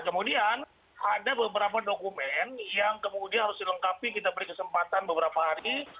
kemudian ada beberapa dokumen yang kemudian harus dilengkapi kita beri kesempatan beberapa hari